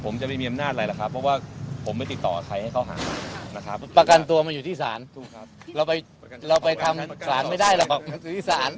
มีหลายคนตั้งข้อสงสัยว่าสาเหตุที่มินนี่ได้รับประกันตัว